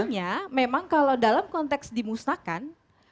artinya memang kalau dalam konteks dimusnahkan